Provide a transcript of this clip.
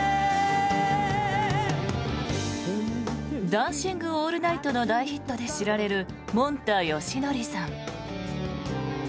「ダンシング・オールナイト」の大ヒットで知られるもんたよしのりさん。